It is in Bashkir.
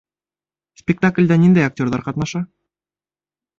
Спектаклдә ниндәй актерҙар ҡатнаша?